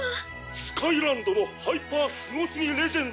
「スカイランドのハイパースゴスギレジェンド